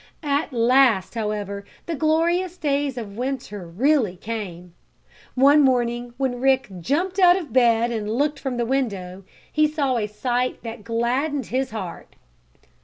At last, however, the glorious days of winter really came. One morning when Rick jumped out of bed and looked from the window, he saw a sight that gladdened his heart.